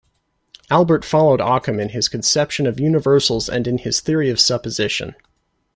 Albert followed Ockham in his conception of universals and in his theory of supposition.